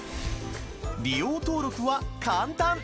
利用登録は簡単！